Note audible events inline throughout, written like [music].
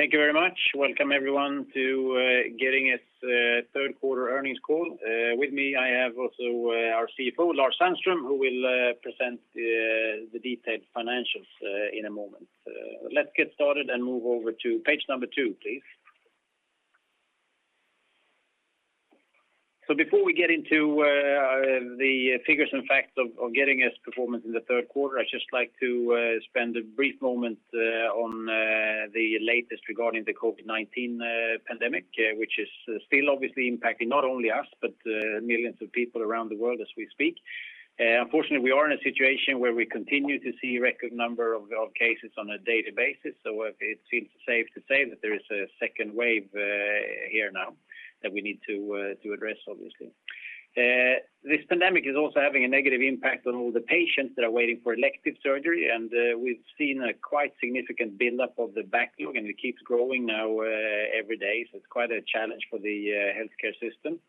Thank you very much. Welcome everyone to Getinge third quarter earnings call. With me, I have also our CFO, Lars Sandström, who will present the detailed financials in a moment. Let's get started and move over to page 2, please. Before we get into the figures and facts of Getinge's performance in the third quarter, I'd just like to spend a brief moment on the latest regarding the COVID-19 pandemic, which is still obviously impacting not only us, but millions of people around the world as we speak. Unfortunately, we are in a situation where we continue to see record number of cases on a daily basis. It seems safe to say that there is a second wave here now that we need to address, obviously. This pandemic is also having a negative impact on all the patients that are waiting for elective surgery, and we've seen a quite significant buildup of the backlog, and it keeps growing now every day. It's quite a challenge for the healthcare system.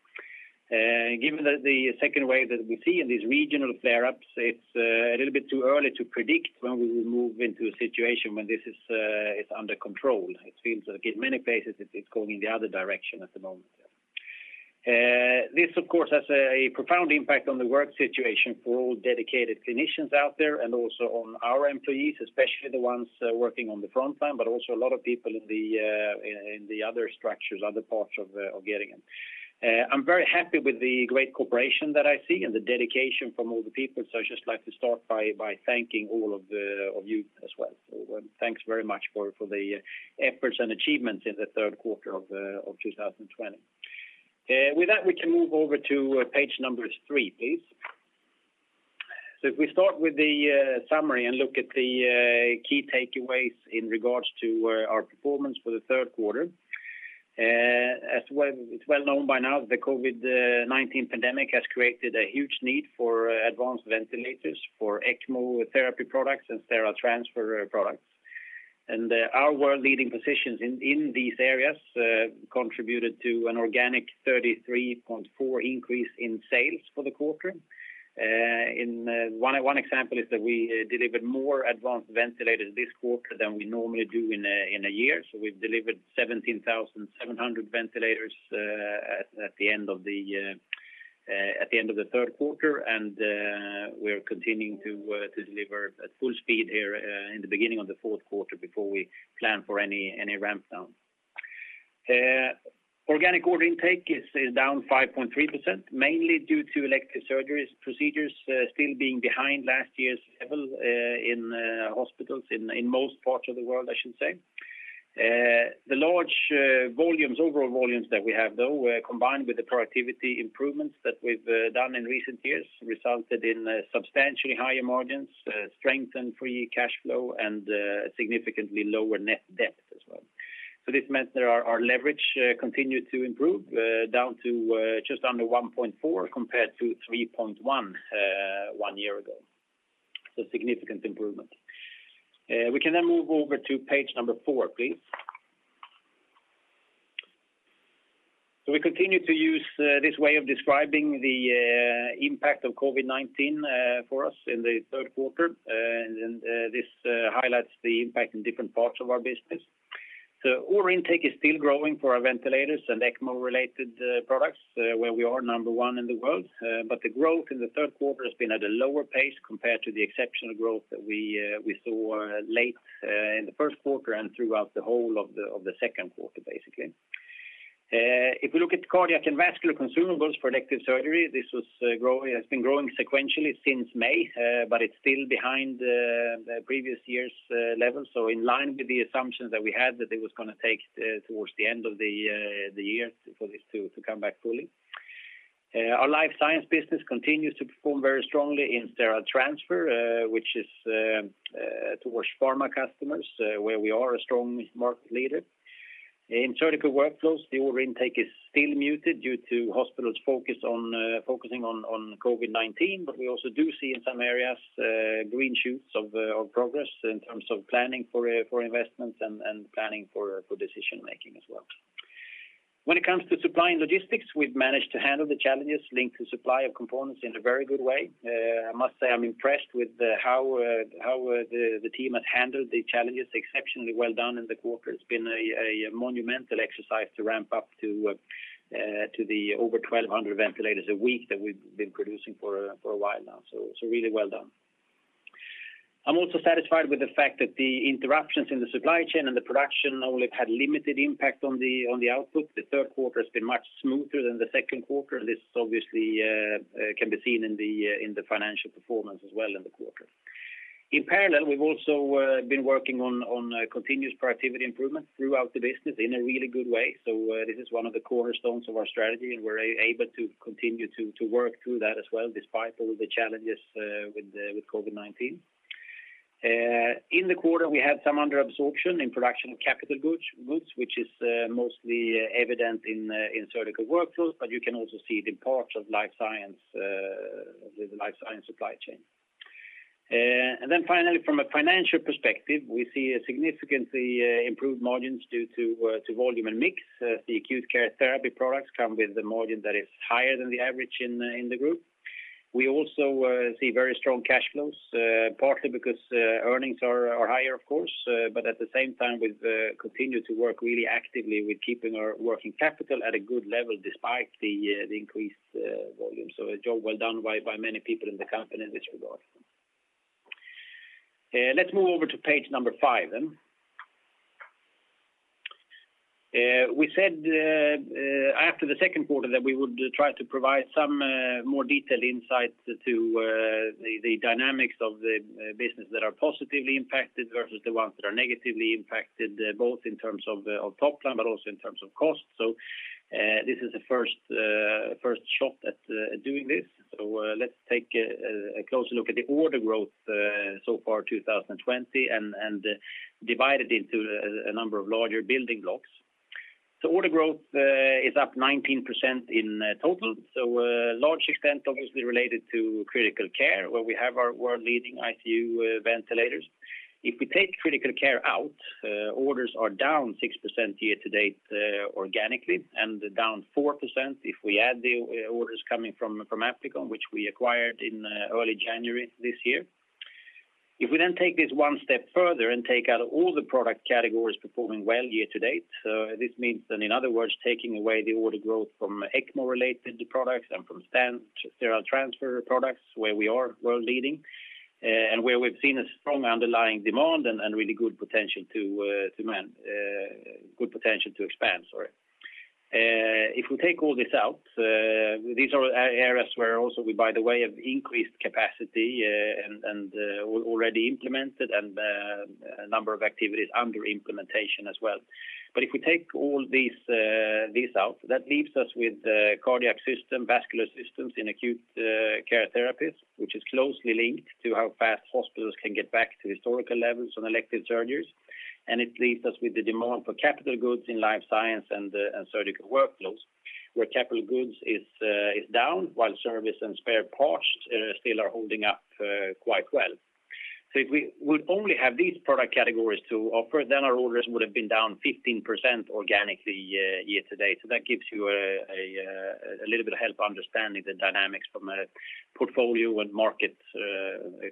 Given that the second wave that we see in these regional flare-ups, it's a little bit too early to predict when we will move into a situation when this is under control. It seems in many places it's going in the other direction at the moment. This of course, has a profound impact on the work situation for all dedicated clinicians out there, and also on our employees, especially the ones working on the frontline, but also a lot of people in the other structures, other parts of Getinge. I'm very happy with the great cooperation that I see and the dedication from all the people. I'd just like to start by thanking all of you as well. Thanks very much for the efforts and achievements in the third quarter of 2020. With that, we can move over to page 3, please. If we start with the summary and look at the key takeaways in regards to our performance for the third quarter. It's well known by now, the COVID-19 pandemic has created a huge need for advanced ventilators, for ECMO therapy products, and Sterile Transfer products. Our world leading positions in these areas contributed to an organic 33.4% increase in sales for the quarter. One example is that we delivered more advanced ventilators this quarter than we normally do in a year. We've delivered 17,700 ventilators at the end of the third quarter, and we are continuing to deliver at full speed here in the beginning of the fourth quarter before we plan for any ramp down. Organic order intake is down 5.3%, mainly due to elective surgeries procedures still being behind last year's level in hospitals in most parts of the world, I should say. The large overall volumes that we have, though, combined with the productivity improvements that we've done in recent years, resulted in substantially higher margins, strengthened free cash flow, and significantly lower net debt as well. This meant that our leverage continued to improve, down to just under 1.4x compared to 3.1x one year ago. Significant improvement. We can then move over to page 4, please. We continue to use this way of describing the impact of COVID-19 for us in the third quarter. This highlights the impact in different parts of our business. Order intake is still growing for our ventilators and ECMO-related products, where we are number one in the world. The growth in the third quarter has been at a lower pace compared to the exceptional growth that we saw late in the first quarter and throughout the whole of the second quarter, basically. If we look at cardiac and vascular consumables for elective surgery, this has been growing sequentially since May, but it's still behind the previous year's levels. In line with the assumptions that we had that it was going to take towards the end of the year for this to come back fully. Our Life Science business continues to perform very strongly in Sterile Transfer, which is towards pharma customers, where we are a strong market leader. In Surgical Workflows, the order intake is still muted due to hospitals focusing on COVID-19, we also do see in some areas green shoots of progress in terms of planning for investments and planning for decision making as well. When it comes to supply and logistics, we've managed to handle the challenges linked to supply of components in a very good way. I must say, I'm impressed with how the team has handled the challenges exceptionally well done in the quarter. It's been a monumental exercise to ramp up to the over 1,200 ventilators a week that we've been producing for a while now, so it's a really well done. I'm also satisfied with the fact that the interruptions in the supply chain and the production only had limited impact on the output. The third quarter has been much smoother than the second quarter. This obviously can be seen in the financial performance as well in the quarter. In parallel, we've also been working on continuous productivity improvement throughout the business in a really good way. This is one of the cornerstones of our strategy, and we're able to continue to work through that as well, despite all the challenges with COVID-19. In the quarter, we had some under absorption in production of capital goods, which is mostly evident in Surgical Workflows, but you can also see it in parts of the Life Science supply chain. Finally, from a financial perspective, we see a significantly improved margins due to volume and mix. The Acute Care Therapies products come with a margin that is higher than the average in the group. We also see very strong cash flows, partly because earnings are higher, of course. At the same time, we've continued to work really actively with keeping our working capital at a good level despite the increased volume. A job well done by many people in the company in this regard. Let's move over to page 5. We said after the second quarter that we would try to provide some more detailed insights to the dynamics of the business that are positively impacted versus the ones that are negatively impacted, both in terms of top line, but also in terms of cost. This is the first shot at doing this. Let's take a closer look at the order growth so far 2020 and divide it into a number of larger building blocks. Order growth is up 19% in total. A large extent obviously related to critical care where we have our world-leading ICU ventilators. If we take critical care out, orders are down 6% year-to-date organically and down 4%, if we add the orders coming from Applikon, which we acquired in early January this year. If we then take this one step further and take out all the product categories performing well year-to-date. This means then, in other words, taking away the order growth from ECMO-related products and from Sterile Transfer products where we are world leading and where we've seen a strong underlying demand and really good potential to expand. If we take all this out, these are areas where also we, by the way, have increased capacity and already implemented and a number of activities under implementation as well. If we take all these out, that leaves us with cardiac system, vascular systems in Acute Care Therapies, which is closely linked to how fast hospitals can get back to historical levels on elective surgeries. It leaves us with the demand for capital goods in Life Science and Surgical Workflows, where capital goods is down while service and spare parts still are holding up quite well. If we would only have these product categories to offer, then our orders would have been down 15% organically year-to-date. That gives you a little bit of help understanding the dynamics from a portfolio and market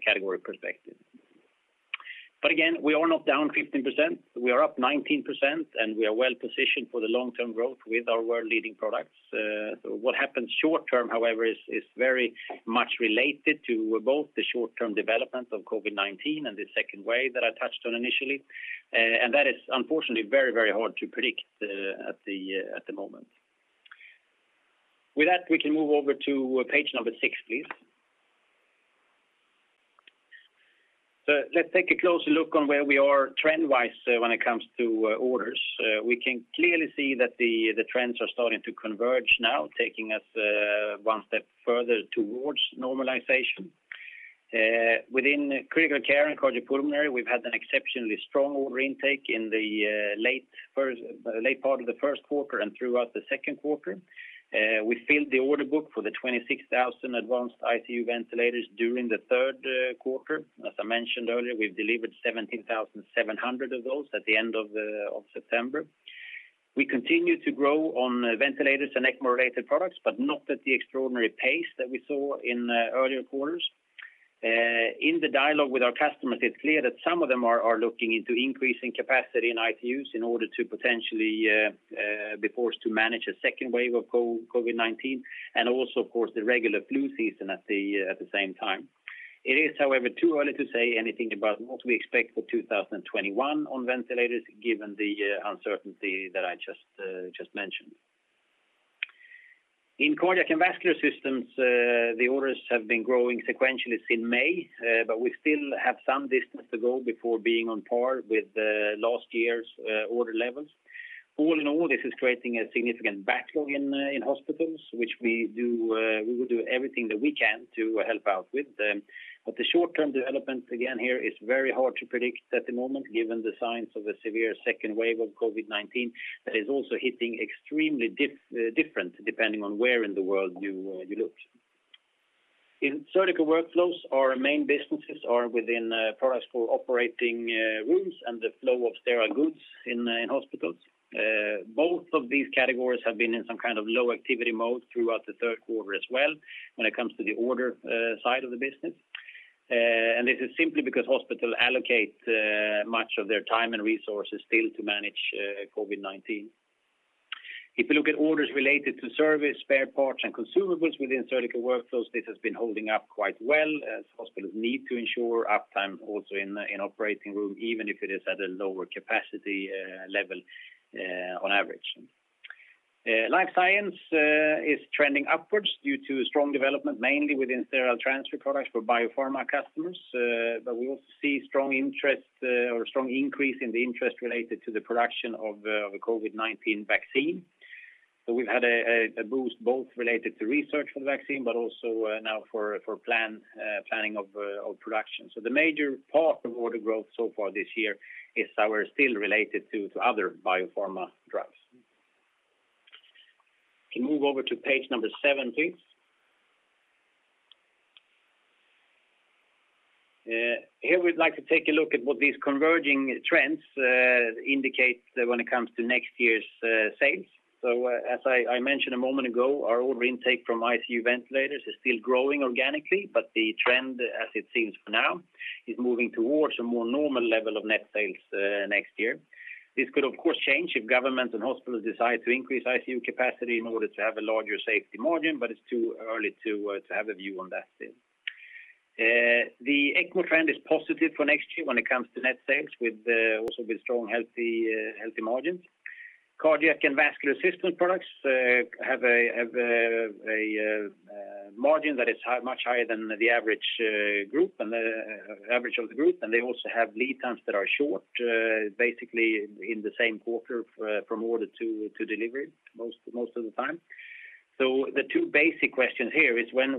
category perspective. Again, we are not down 15%. We are up 19%. We are well positioned for the long-term growth with our world-leading products. What happens short term, however, is very much related to both the short-term development of COVID-19 and the second wave that I touched on initially. That is unfortunately very hard to predict at the moment. With that, we can move over to page 6, please. Let's take a closer look on where we are trend-wise when it comes to orders. We can clearly see that the trends are starting to converge now, taking us one step further towards normalization. Within critical care and cardiopulmonary, we've had an exceptionally strong order intake in the late part of the first quarter and throughout the second quarter. We filled the order book for the 26,000 advanced ICU ventilators during the third quarter. As I mentioned earlier, we've delivered 17,700 of those at the end of September. We continue to grow on ventilators and ECMO-related products, but not at the extraordinary pace that we saw in earlier quarters. In the dialogue with our customers, it's clear that some of them are looking into increasing capacity in ICUs in order to potentially be forced to manage a second wave of COVID-19, and also, of course, the regular flu season at the same time. It is, however, too early to say anything about what we expect for 2021 on ventilators, given the uncertainty that I just mentioned. In cardiac and vascular systems, the orders have been growing sequentially since May, but we still have some distance to go before being on par with last year's order levels. All in all, this is creating a significant backlog in hospitals, which we will do everything that we can to help out with. The short-term development, again here, is very hard to predict at the moment given the signs of a severe second wave of COVID-19 that is also hitting extremely different depending on where in the world you look. In Surgical Workflows, our main businesses are within products for operating rooms and the flow of sterile goods in hospitals. Both of these categories have been in some kind of low activity mode throughout the third quarter as well when it comes to the order side of the business. This is simply because hospitals allocate much of their time and resources still to manage COVID-19. If you look at orders related to service, spare parts, and consumables within Surgical Workflows, this has been holding up quite well as hospitals need to ensure uptime also in operating room, even if it is at a lower capacity level on average. Life Science is trending upwards due to strong development, mainly within Sterile Transfer products for biopharma customers. We also see strong increase in the interest related to the production of a COVID-19 vaccine. We've had a boost both related to research for the vaccine, but also now for planning of production. The major part of order growth so far this year is still related to other biopharma drugs. Can move over to page 7, please. Here we'd like to take a look at what these converging trends indicate when it comes to next year's sales. As I mentioned a moment ago, our order intake from ICU ventilators is still growing organically, but the trend, as it seems for now, is moving towards a more normal level of net sales next year. This could, of course, change if governments and hospitals decide to increase ICU capacity in order to have a larger safety margin, but it's too early to have a view on that still. The ECMO trend is positive for next year when it comes to net sales, also with strong, healthy margins. Cardiac and vascular systems products have a margin that is much higher than the average of the group, and they also have lead times that are short, basically in the same quarter from order to delivery most of the time. The two basic questions here is when will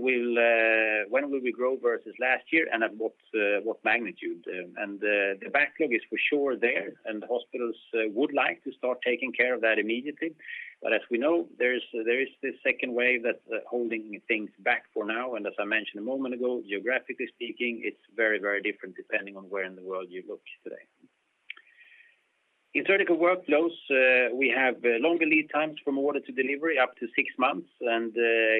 we grow versus last year and at what magnitude? The backlog is for sure there, and hospitals would like to start taking care of that immediately. As we know, there is this second wave that's holding things back for now. As I mentioned a moment ago, geographically speaking, it's very different depending on where in the world you look today. In Surgical Workflows, we have longer lead times from order to delivery, up to six months.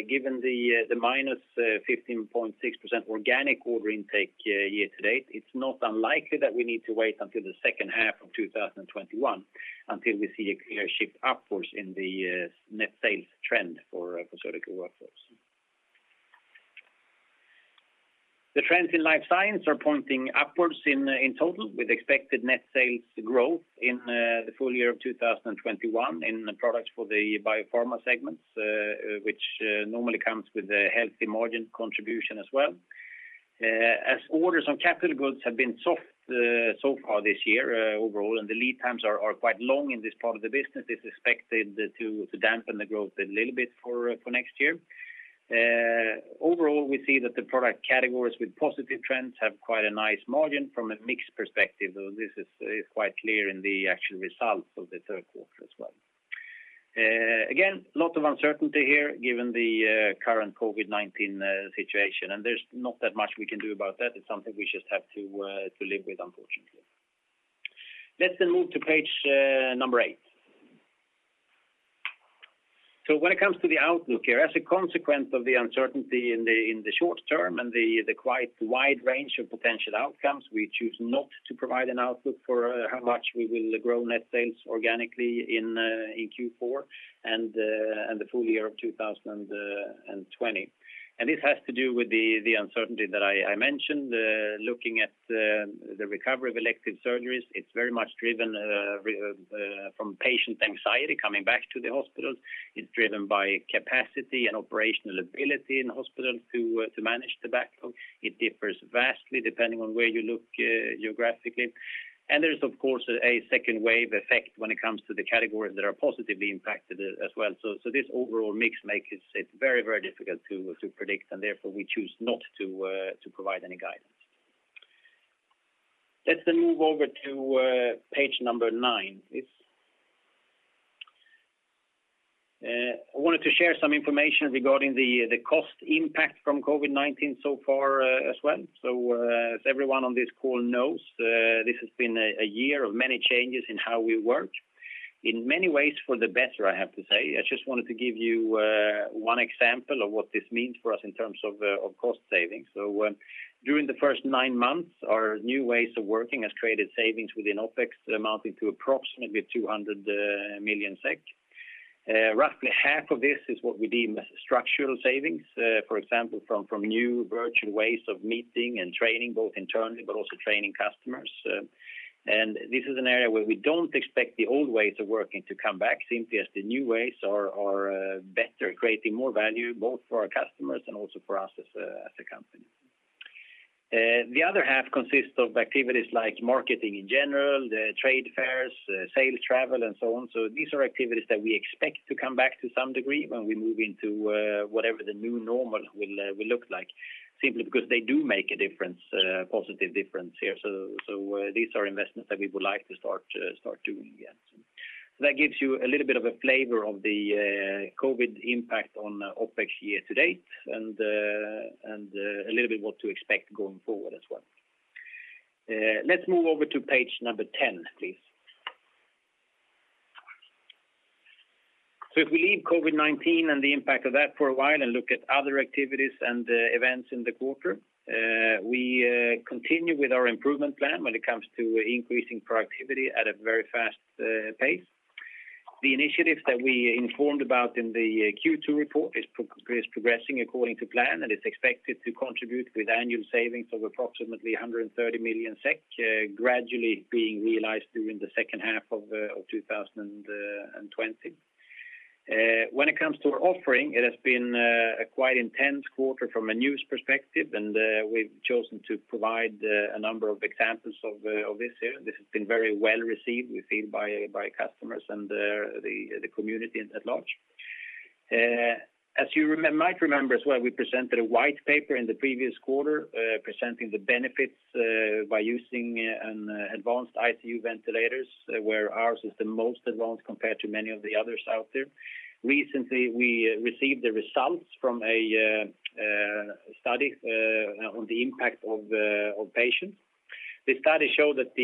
Given the -15.6% organic order intake year-to-date, it's not unlikely that we need to wait until the second half of 2021 until we see a clear shift upwards in the net sales trend for Surgical Workflows. The trends in Life Science are pointing upwards in total, with expected net sales growth in the full year of 2021 in products for the biopharma segments, which normally comes with a healthy margin contribution as well. As orders on capital goods have been soft so far this year overall, the lead times are quite long in this part of the business, it's expected to dampen the growth a little bit for next year. Overall, we see that the product categories with positive trends have quite a nice margin from a mix perspective, though this is quite clear in the actual results of the third quarter as well. Again, lot of uncertainty here given the current COVID-19 situation, there's not that much we can do about that. It's something we just have to live with, unfortunately. Let's move to page 8. When it comes to the outlook here, as a consequence of the uncertainty in the short term and the quite wide range of potential outcomes, we choose not to provide an outlook for how much we will grow net sales organically in Q4 and the full year of 2020. This has to do with the uncertainty that I mentioned. Looking at the recovery of elective surgeries, it's very much driven from patient anxiety coming back to the hospitals. It's driven by capacity and operational ability in hospitals to manage the backlog. It differs vastly depending on where you look geographically. There is, of course, a second wave effect when it comes to the categories that are positively impacted as well. This overall mix make it very difficult to predict, and therefore we choose not to provide any guidance. Let's move over to page 9, please. I wanted to share some information regarding the cost impact from COVID-19 so far as well. As everyone on this call knows, this has been a year of many changes in how we work. In many ways for the better, I have to say. I just wanted to give you one example of what this means for us in terms of cost savings. During the first nine months, our new ways of working has created savings within OpEx amounting to approximately 200 million SEK. Roughly half of this is what we deem structural savings. For example, from new virtual ways of meeting and training, both internally, but also training customers. This is an area where we don't expect the old ways of working to come back, simply as the new ways are better at creating more value, both for our customers and also for us as a company. The other half consists of activities like marketing in general, the trade fairs, sales travel, and so on. These are activities that we expect to come back to some degree when we move into whatever the new normal will look like, simply because they do make a positive difference here. These are investments that we would like to start doing again. That gives you a little bit of a flavor of the COVID impact on OpEx year-to-date and a little bit what to expect going forward as well. Let's move over to page 10, please. If we leave COVID-19 and the impact of that for a while and look at other activities and events in the quarter, we continue with our improvement plan when it comes to increasing productivity at a very fast pace. The initiatives that we informed about in the Q2 report is progressing according to plan and is expected to contribute with annual savings of approximately 130 million SEK, gradually being realized during the second half of 2020. When it comes to our offering, it has been a quite intense quarter from a news perspective, and we've chosen to provide a number of examples of this here. This has been very well received, we feel, by customers and the community at large. As you might remember as well, we presented a white paper in the previous quarter presenting the benefits by using advanced ICU ventilators, where ours is the most advanced compared to many of the others out there. Recently, we received the results from a study on the impact on patients. The study showed that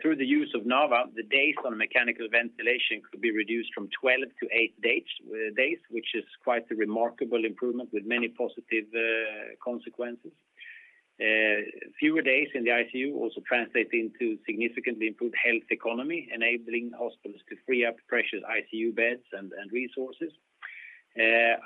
through the use of NAVA, the days on mechanical ventilation could be reduced from 12 to eight days, which is quite a remarkable improvement with many positive consequences. Fewer days in the ICU also translates into significantly improved health economy, enabling hospitals to free up precious ICU beds and resources.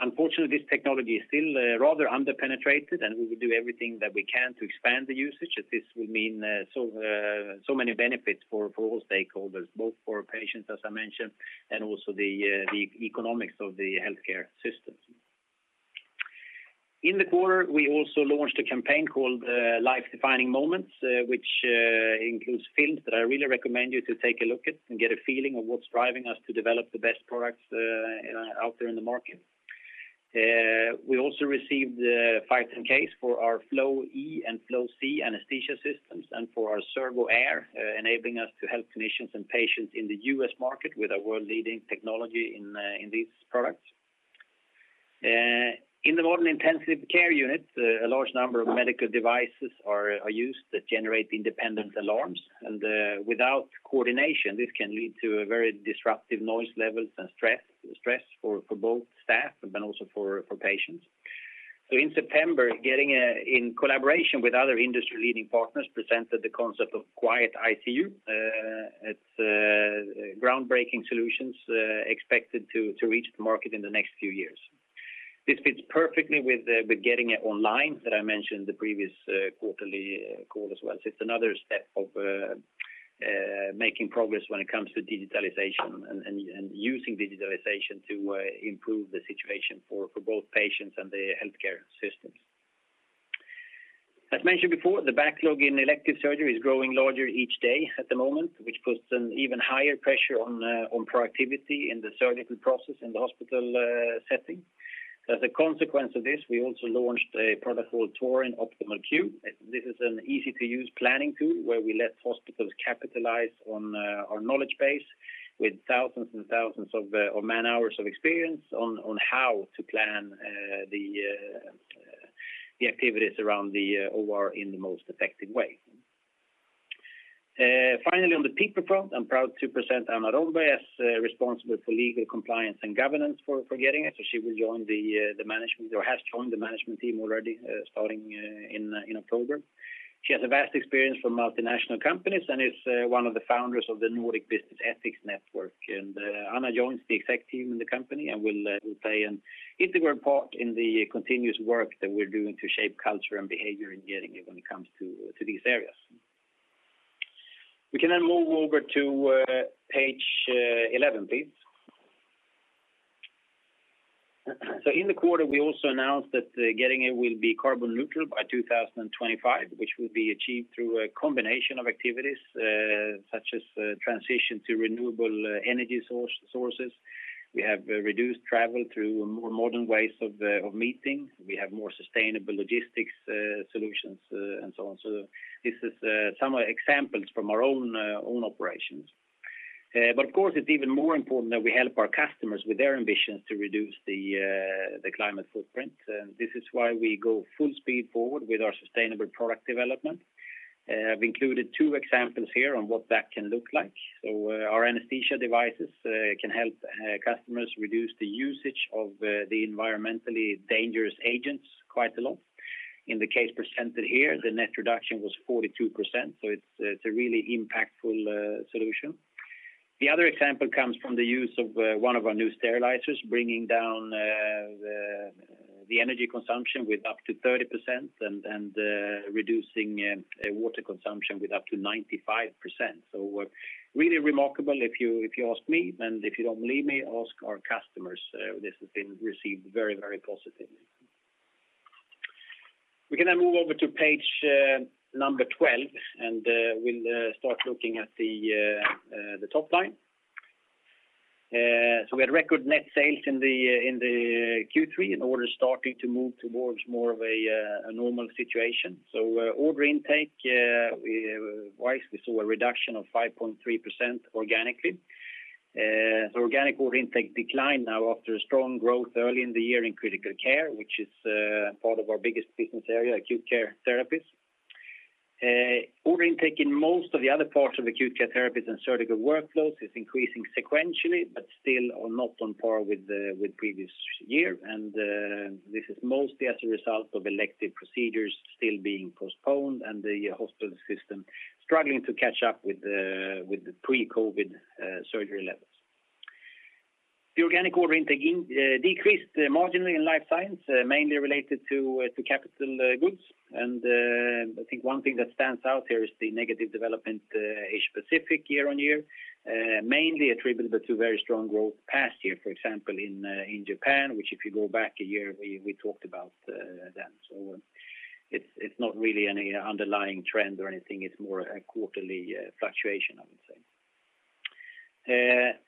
Unfortunately, this technology is still rather under-penetrated, and we will do everything that we can to expand the usage as this will mean so many benefits for all stakeholders, both for patients, as I mentioned, and also the economics of the healthcare system. In the quarter, we also launched a campaign called Life-Defining Moments, which includes films that I really recommend you to take a look at and get a feeling of what's driving us to develop the best products out there in the market. We also received the 510(k) for our Flow-e and Flow-c anesthesia systems and for our Servo-air, enabling us to help clinicians and patients in the U.S. market with our world-leading technology in these products. In the modern intensive care unit, a large number of medical devices are used that generate independent alarms. Without coordination, this can lead to very disruptive noise levels and stress for both staff and also for patients. In September, Getinge, in collaboration with other industry-leading partners, presented the concept of Quiet ICU. It's groundbreaking solutions expected to reach the market in the next few years. This fits perfectly with the Getinge Online that I mentioned the previous quarterly call as well. It's another step of making progress when it comes to digitalization and using digitalization to improve the situation for both patients and the healthcare systems. As mentioned before, the backlog in elective surgery is growing larger each day at the moment, which puts an even higher pressure on productivity in the surgical process in the hospital setting. As a consequence of this, we also launched a product called Torin OptimalQ. This is an easy-to-use planning tool where we let hospitals capitalize on our knowledge base with thousands and thousands of man-hours of experience on how to plan the activities around the OR in the most effective way. Finally, on the people front, I'm proud to present Anna Romberg as responsible for legal, compliance, and governance for Getinge. She will join the management, or has joined the management team already, starting in October. She has vast experience from multinational companies and is one of the founders of the Nordic Business Ethics Network. Anna joins the exec team in the company and will play an integral part in the continuous work that we're doing to shape culture and behavior in Getinge when it comes to these areas. We can move over to page 11, please. In the quarter, we also announced that Getinge will be carbon neutral by 2025, which will be achieved through a combination of activities such as transition to renewable energy sources. We have reduced travel through more modern ways of meeting. We have more sustainable logistics solutions, and so on. This is some examples from our own operations. Of course, it's even more important that we help our customers with their ambitions to reduce the climate footprint. This is why we go full speed forward with our sustainable product development. I've included two examples here on what that can look like. Our anesthesia devices can help customers reduce the usage of the environmentally dangerous agents quite a lot. In the case presented here, the net reduction was 42%, so it's a really impactful solution. The other example comes from the use of one of our new sterilizers, bringing down the energy consumption with up to 30% and reducing water consumption with up to 95%. Really remarkable if you ask me, and if you don't believe me, ask our customers. This has been received very positively. We can now move over to page 12, and we'll start looking at the top line. We had record net sales in the Q3 and orders starting to move towards more of a normal situation. Order intake, we saw a reduction of 5.3% organically. Organic order intake declined now after strong growth early in the year in critical care, which is part of our biggest business area, Acute Care Therapies. Order intake in most of the other parts of Acute Care Therapies and Surgical Workflows is increasing sequentially, but still are not on par with the previous year. This is mostly as a result of elective procedures still being postponed and the hospital system struggling to catch up with the pre-COVID-19 surgery levels. The organic order intake decreased marginally in Life Science, mainly related to capital goods. I think one thing that stands out here is the negative development Asia-Pacific year-on-year, mainly attributable to very strong growth past year, for example, in Japan, which if you go back a year, we talked about that. It's not really any underlying trend or anything. It's more a quarterly fluctuation, I would say.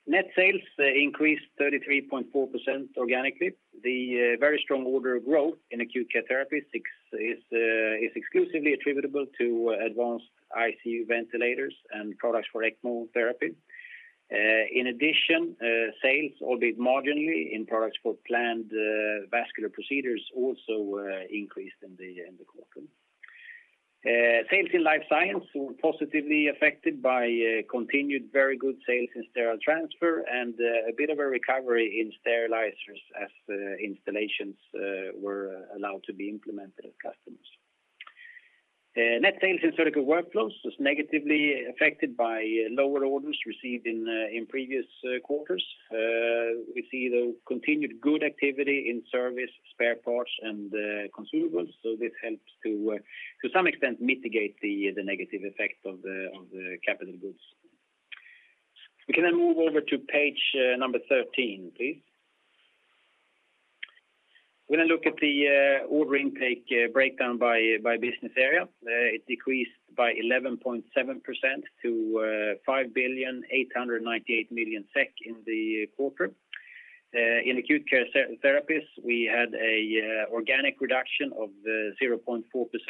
Net sales increased 33.4% organically. The very strong order growth in Acute Care Therapies is exclusively attributable to advanced ICU ventilators and products for ECMO therapy. In addition, sales, albeit marginally, in products for planned vascular procedures also increased in the quarter. Sales in Life Science were positively affected by continued very good sales in Sterile Transfer and a bit of a recovery in sterilizers as installations were allowed to be implemented at customers. Net sales in Surgical Workflows was negatively affected by lower orders received in previous quarters. We see the continued good activity in service, spare parts, and consumables. This helps to some extent mitigate the negative effect of the capital goods. We can move over to page 13, please. We are going to look at the order intake breakdown by business area. It decreased by 11.7% to 5.898 billion in the quarter. In Acute Care Therapies, we had an organic reduction of 0.4%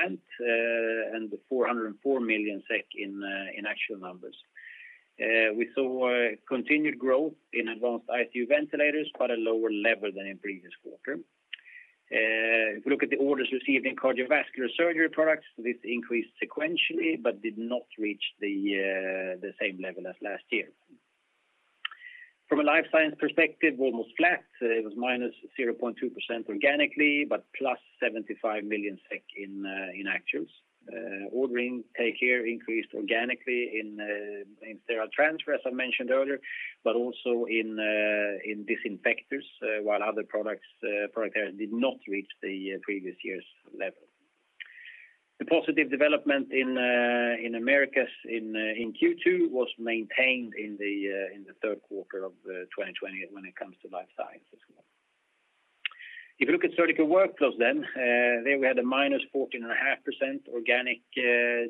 and 404 million SEK in actual numbers. We saw continued growth in advanced ICU ventilators, a lower level than in the previous quarter. If you look at the orders received in cardiovascular surgery products, this increased sequentially but did not reach the same level as last year. From a Life Science perspective, almost flat. It was -0.2% organically, +75 million SEK in actuals. Ordering intake here increased organically in Sterile Transfer, as I mentioned earlier, but also in disinfectors, while other product areas did not reach the previous year's level. The positive development in Americas in Q2 was maintained in the third quarter of 2020 when it comes to Life Science as well. If you look at Surgical Workflows then, there we had a -14.5% organic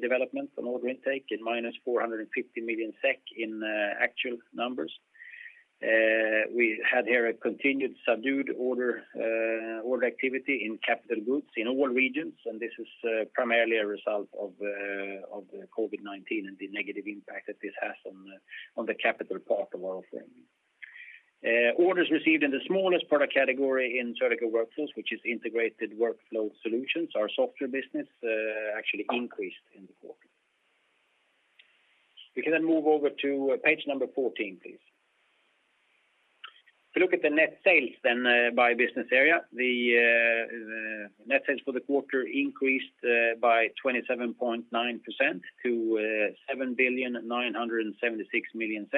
development on order intake and -450 million SEK in actual numbers. We had here a continued subdued order activity in capital goods in all regions. This is primarily a result of the COVID-19 and the negative impact that this has on the capital part of our offering. Orders received in the smallest product category in Surgical Workflows, which is Integrated Workflow Solutions, our software business, actually increased in the quarter. We can then move over to page 14, please. If you look at the net sales by business area, the net sales for the quarter increased by 27.9% to 7.976 billion.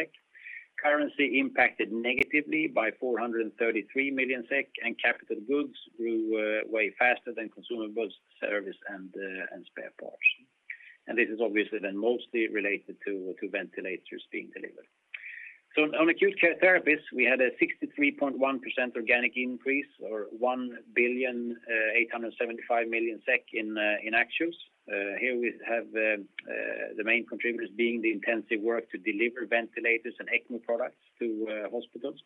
Currency impacted negatively by 433 million SEK. Capital goods grew way faster than consumables, service, and spare parts, and this is obviously mostly related to ventilators being delivered. On Acute Care Therapies, we had a 63.1% organic increase or SEK 1.875 billion in actuals. Here we have the main contributors being the intensive work to deliver ventilators and ECMO products to hospitals.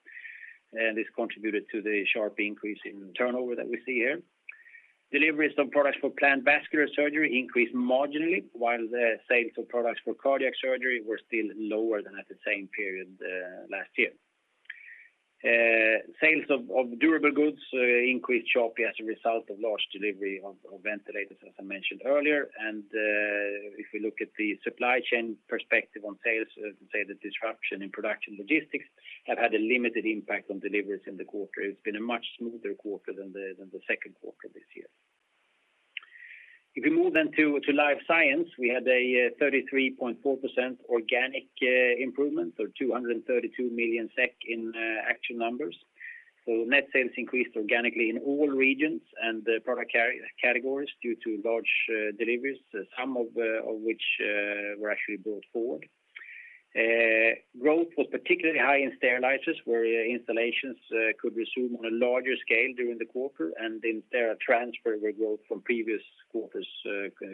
This contributed to the sharp increase in turnover that we see here. Deliveries of products for planned vascular surgery increased marginally, while the sales of products for cardiac surgery were still lower than at the same period last year. Sales of durable goods increased sharply as a result of large delivery of ventilators, as I mentioned earlier. If we look at the supply chain perspective on sales, say the disruption in production logistics have had a limited impact on deliveries in the quarter. It's been a much smoother quarter than the second quarter this year. If we move then to Life Science, we had a 33.4% organic improvement or 232 million SEK in actual numbers. Net sales increased organically in all regions and product categories due to large deliveries, some of which were actually brought forward. Growth was particularly high in sterilizers, where installations could resume on a larger scale during the quarter, and in Sterile Transfer, where growth from previous quarters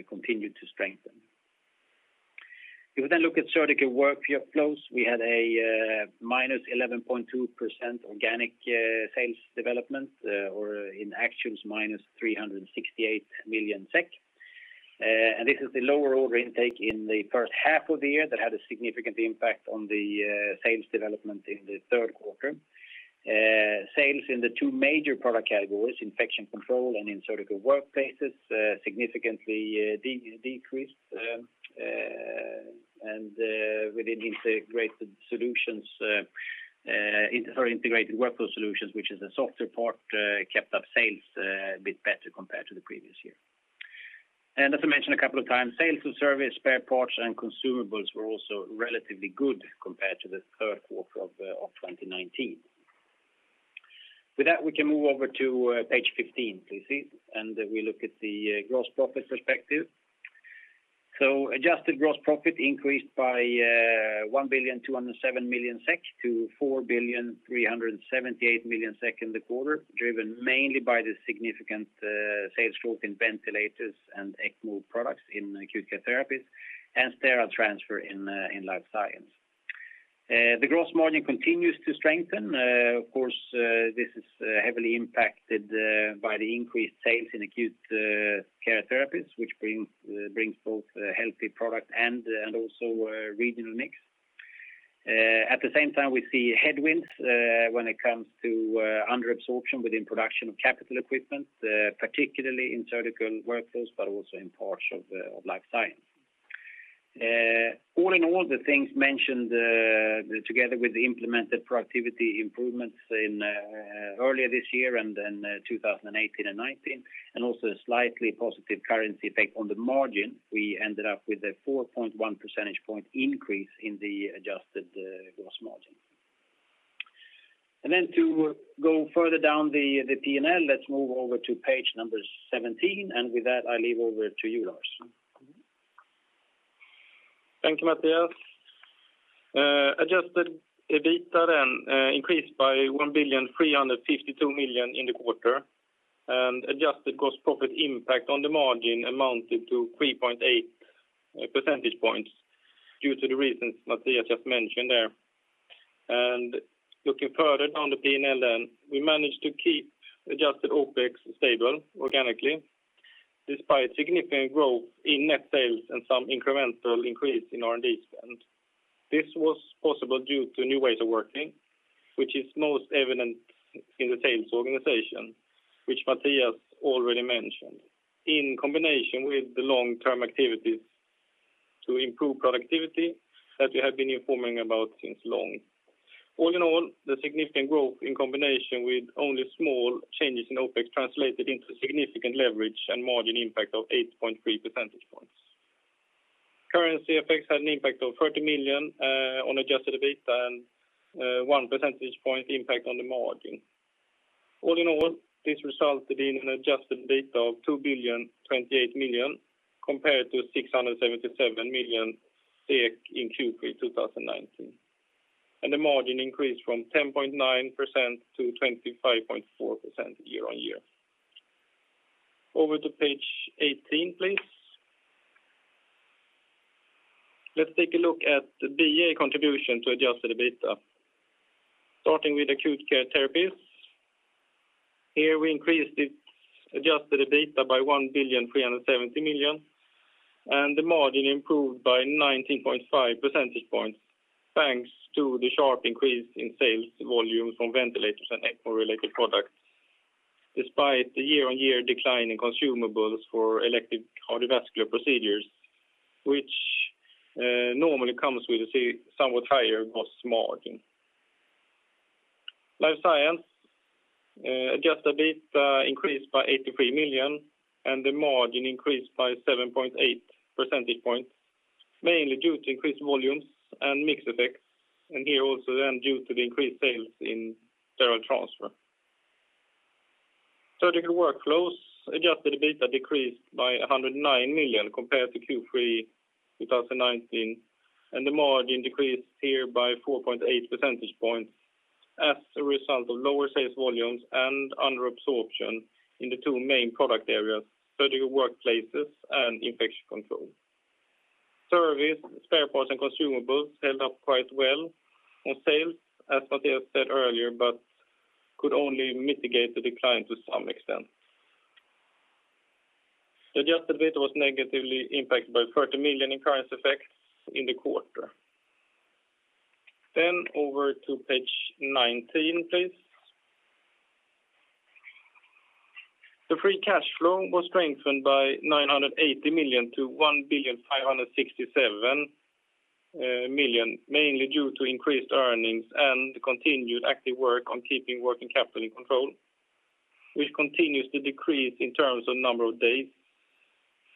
continued to strengthen. If we then look at Surgical Workflows, we had a -11.2% organic sales development, or in actuals, -368 million SEK. This is the lower order intake in the first half of the year that had a significant impact on the sales development in the third quarter. Sales in the two major product categories, Infection Control and in Surgical Workplaces, significantly decreased. Within Integrated Workflow Solutions, which is the software part, kept up sales a bit better compared to the previous year. As I mentioned a couple of times, sales of service, spare parts, and consumables were also relatively good compared to the third quarter of 2019. With that, we can move over to page 15, please. We look at the gross profit perspective. Adjusted gross profit increased by 1.207 billion to 4.378 billion in the quarter, driven mainly by the significant sales growth in ventilators and ECMO products in Acute Care Therapies and Sterile Transfer in Life Science. The gross margin continues to strengthen. Of course, this is heavily impacted by the increased sales in Acute Care Therapies, which brings both healthy product and also regional mix. At the same time, we see headwinds when it comes to under absorption within production of capital equipment, particularly in Surgical Workflows, but also in parts of Life Science. All in all, the things mentioned together with the implemented productivity improvements earlier this year and in 2018 and 2019, and also a slightly positive currency effect on the margin, we ended up with a 4.1 percentage point increase in the adjusted gross margin. To go further down the P&L, let's move over to page number 17. With that, I leave over to you, Lars. Thank you, Mattias. Adjusted EBITDA increased by 1.352 billion in the quarter. Adjusted gross profit impact on the margin amounted to 3.8 percentage points due to the reasons Mattias just mentioned there. Looking further down the P&L then, we managed to keep adjusted OpEx stable organically, despite significant growth in net sales and some incremental increase in R&D spend. This was possible due to new ways of working, which is most evident in the sales organization, which Mattias already mentioned, in combination with the long-term activities to improve productivity that we have been informing about since long. All in all, the significant growth in combination with only small changes in OpEx translated into significant leverage and margin impact of 8.3 percentage points. Currency effects had an impact of 30 million on adjusted EBITDA and one percentage point impact on the margin. All in all, this resulted in an adjusted EBITDA of 2.028 billion compared to 677 million in Q3 2019. The margin increased from 10.9% to 25.4% year-on-year. Over to page 18, please. Let's take a look at the BA contribution to adjusted EBITDA. Starting with Acute Care Therapies. Here we increased its adjusted EBITDA by 1.370 billion, and the margin improved by 19.5 percentage points, thanks to the sharp increase in sales volume from ventilators and ECMO-related products, despite the year-on-year decline in consumables for elective cardiovascular procedures, which normally comes with a somewhat higher gross margin. Life Science. Adjusted EBITDA increased by 83 million, and the margin increased by 7.8 percentage points, mainly due to increased volumes and mix effects, and here also then due to the increased sales in Sterile Transfer. Surgical Workflows, adjusted EBITDA decreased by 109 million compared to Q3 2019, and the margin decreased here by 4.8 percentage points as a result of lower sales volumes and under absorption in the two main product areas, Surgical Workplaces and Infection Control. Service, spare parts, and consumables held up quite well on sales, as Mattias said earlier, but could only mitigate the decline to some extent. The Adjusted EBITDA was negatively impacted by 30 million in currency effects in the quarter. Over to page 19, please. The free cash flow was strengthened by 980 million to 1.567 billion, mainly due to increased earnings and the continued active work on keeping working capital in control, which continues to decrease in terms of number of days,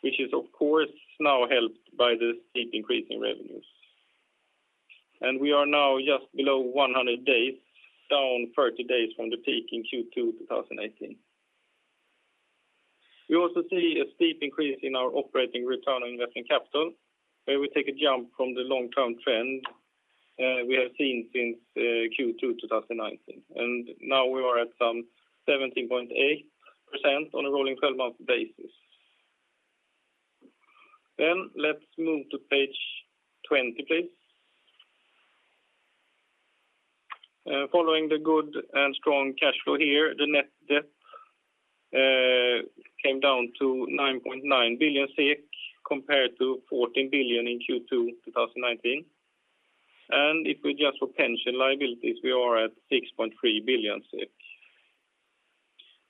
which is of course now helped by the steep increase in revenues. We are now just below 100 days, down 30 days from the peak in Q2 2018. We also see a steep increase in our operating return on invested capital, where we take a jump from the long-term trend we have seen since Q2 2019. Now we are at some 17.8% on a rolling 12-month basis. Let's move to page 20, please. Following the good and strong cash flow here, the net debt came down to 9.9 billion SEK compared to 14 billion in Q2 2019. If we adjust for pension liabilities, we are at 6.3 billion.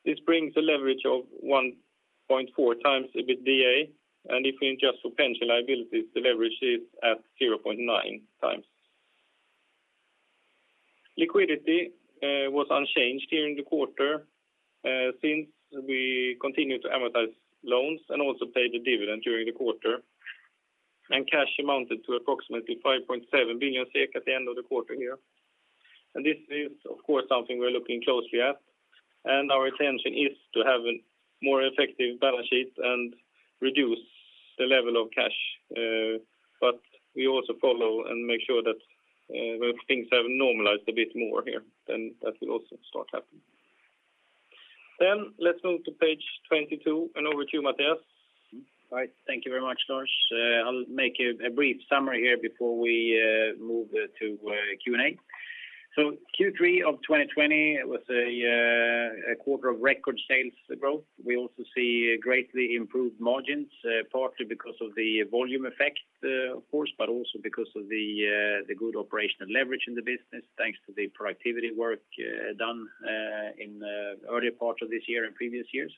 This brings a leverage of 1.4x EBITDA, and if we adjust for pension liabilities, the leverage is at 0.9x. Liquidity was unchanged here in the quarter since we continued to amortize loans and also paid the dividend during the quarter. Cash amounted to approximately 5.7 billion at the end of the quarter here. This is, of course, something we're looking closely at. Our intention is to have a more effective balance sheet and reduce the level of cash. We also follow and make sure that when things have normalized a bit more here, then that will also start happening. Let's move to page 22, and over to you, Mattias. All right. Thank you very much, Lars. I'll make a brief summary here before we move to Q&A. Q3 of 2020 was a quarter of record sales growth. We also see greatly improved margins, partly because of the volume effect, of course, but also because of the good operational leverage in the business, thanks to the productivity work done in the earlier part of this year and previous years.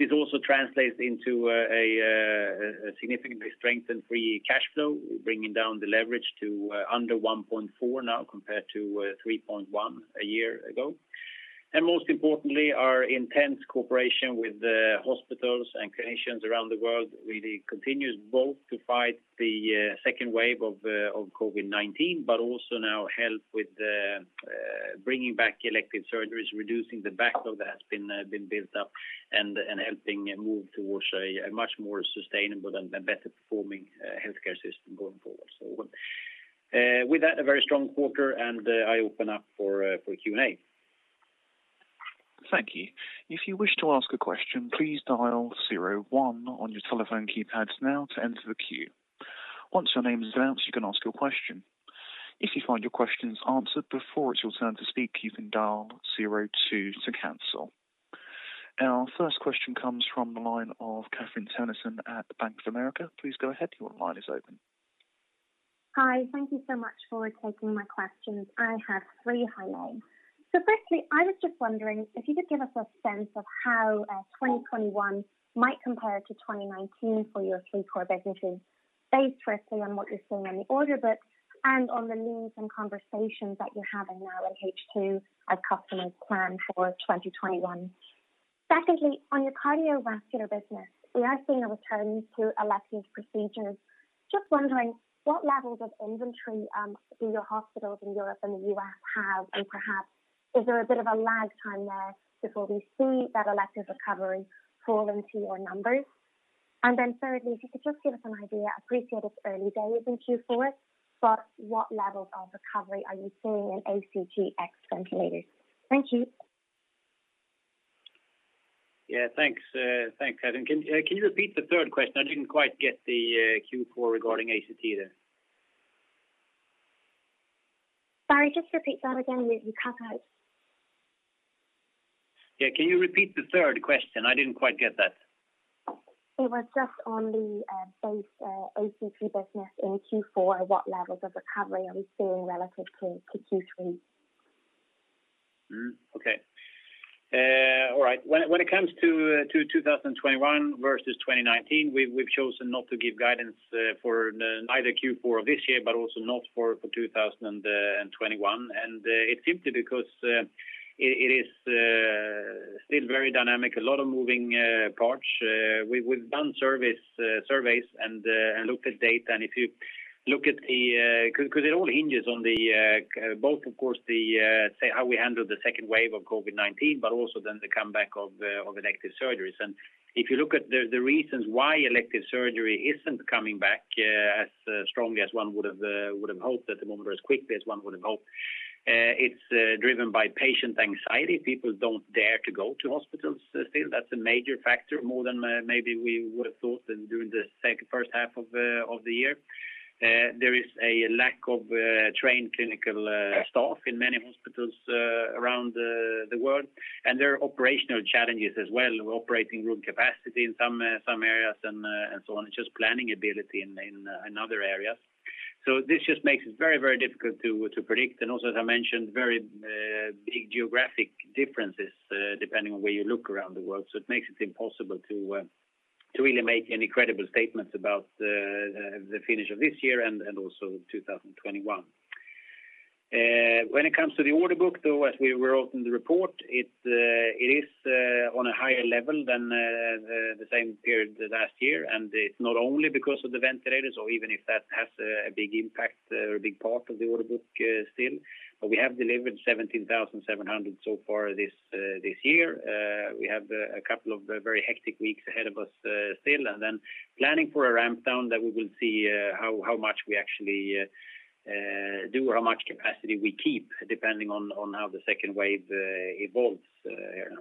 This also translates into a significantly strengthened free cash flow, bringing down the leverage to under 1.4x now, compared to 3.1x a year ago. Most importantly, our intense cooperation with hospitals and clinicians around the world really continues both to fight the second wave of COVID-19, but also now help with bringing back elective surgeries, reducing the backlog that has been built up, and helping move towards a much more sustainable and better performing healthcare system going forward. With that, a very strong quarter, and I open up for Q&A. Thank you. If you wish to ask a question, please dial zero one on your telephone keypad now to enter the queue. Once your name's announced, you can ask your question. If you find your questions answered before it's your turn to speak, you can dial zero two to cancel. Our first question comes from the line of Catherine Tennyson at Bank of America. Please go ahead, your line is open. Hi. Thank you so much for taking my questions. I have three on line. Firstly, I was just wondering if you could give us a sense of how 2021 might compare to 2019 for your three core businesses, based firstly on what you're seeing on the order books and on the leads and conversations that you're having now in H2 as customers plan for 2021. Secondly, on your cardiovascular business, we are seeing a return to elective procedures. Just wondering what levels of inventory do your hospitals in Europe and the U.S. have, and perhaps is there a bit of a lag time there before we see that elective recovery fall into your numbers? Thirdly, if you could just give us an idea, appreciate it's early days in Q4, but what levels of recovery are you seeing in ACT ex ventilators? Thank you. Yeah. Thanks, Catherine. Can you repeat the third question? I didn't quite get the Q4 regarding ACT there. Sorry, just repeat that again, would you? [audio distortion] Yeah. Can you repeat the third question? I didn't quite get that. It was just on the base ACT business in Q4, what levels of recovery are we seeing relative to Q3? Okay. All right. When it comes to 2021 versus 2019, we've chosen not to give guidance for neither Q4 of this year, but also not for 2021. It's simply because it is still very dynamic, a lot of moving parts. We've done surveys and looked at data. It all hinges on both, of course, say, how we handle the second wave of COVID-19, but also then the comeback of elective surgeries. If you look at the reasons why elective surgery isn't coming back as strongly as one would have hoped at the moment, or as quickly as one would have hoped, it's driven by patient anxiety. People don't dare to go to hospitals still. That's a major factor, more than maybe we would have thought during the first half of the year. There is a lack of trained clinical staff in many hospitals around the world, and there are operational challenges as well, operating room capacity in some areas and so on. It's just planning ability in other areas. This just makes it very, very difficult to predict. Also, as I mentioned, very big geographic differences depending on where you look around the world. It makes it impossible to really make any credible statements about the finish of this year and also 2021. When it comes to the order book, though, as we wrote in the report, it is on a higher level than the same period last year. It's not only because of the ventilators or even if that has a big impact or a big part of the order book still. We have delivered 17,700 so far this year. We have a couple of very hectic weeks ahead of us still, and then planning for a ramp down that we will see how much we actually do or how much capacity we keep, depending on how the second wave evolves here.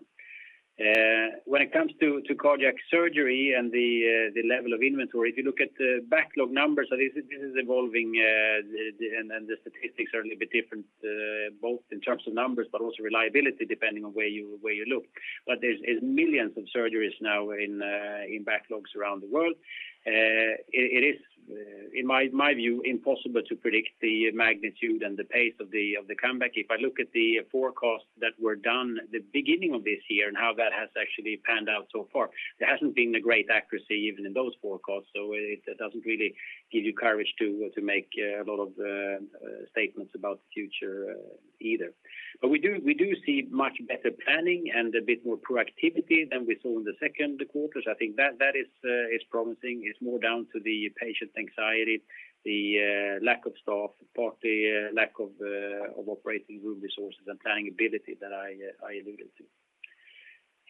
When it comes to cardiac surgery and the level of inventory, if you look at the backlog numbers, this is evolving, and the statistics are a little bit different both in terms of numbers, but also reliability, depending on where you look. There's millions of surgeries now in backlogs around the world. It is, in my view, impossible to predict the magnitude and the pace of the comeback. If I look at the forecasts that were done at the beginning of this year and how that has actually panned out so far, there hasn't been a great accuracy even in those forecasts. It doesn't really give you courage to make a lot of statements about the future either. We do see much better planning and a bit more proactivity than we saw in the second quarter. I think that is promising. It's more down to the patient anxiety, the lack of staff, partly lack of operating room resources and planning ability that I alluded to.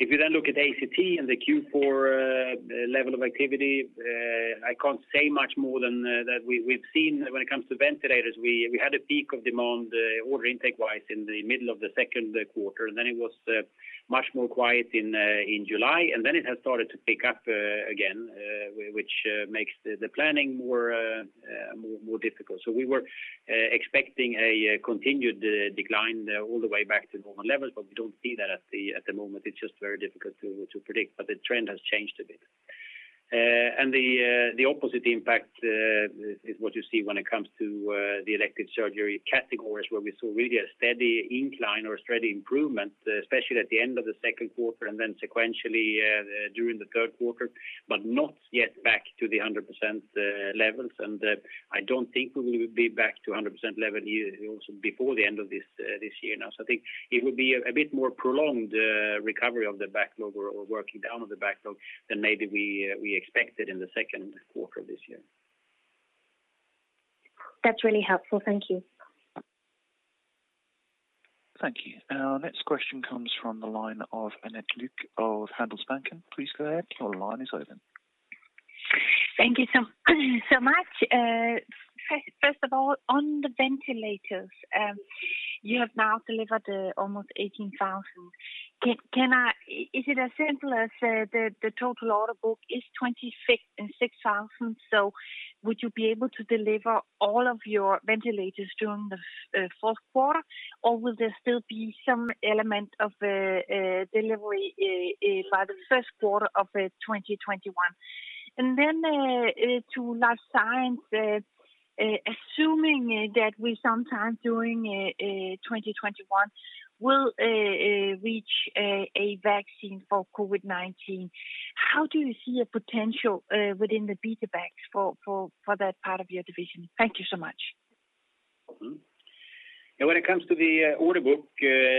If you look at ACT and the Q4 level of activity, I can't say much more than that we've seen when it comes to ventilators, we had a peak of demand order intake-wise in the middle of the second quarter. It was much more quiet in July, and then it has started to pick up again, which makes the planning more difficult. We were expecting a continued decline all the way back to normal levels, but we don't see that at the moment. It's just very difficult to predict, but the trend has changed a bit. The opposite impact is what you see when it comes to the elective surgery categories, where we saw really a steady incline or a steady improvement, especially at the end of the second quarter and then sequentially during the third quarter, but not yet back to the 100% levels. I don't think we will be back to 100% level also before the end of this year now. I think it will be a bit more prolonged recovery of the backlog or working down on the backlog than maybe we expected in the second quarter of this year. That's really helpful. Thank you. Thank you. Our next question comes from the line of Annette Lykke of Handelsbanken. Please go ahead. Your line is open. Thank you so much. First of all, on the ventilators, you have now delivered almost 18,000. Is it as simple as the total order book is 26,000? Would you be able to deliver all of your ventilators during the fourth quarter? Will there still be some element of delivery by the first quarter of 2021? To Life Science, assuming that we sometime during 2021 will reach a vaccine for COVID-19, how do you see a potential within the DPTE-BetaBag for that part of your division? Thank you so much. When it comes to the order book,